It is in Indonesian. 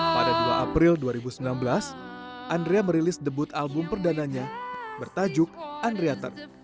pada dua april dua ribu sembilan belas andrea merilis debut album perdananya bertajuk andreator